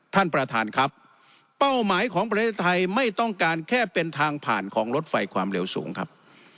ท่านประธานครับเป้าหมายของประเทศไทยไม่ต้องการแค่เป็นทางผ่านของรถไฟความเร็วสูงครับ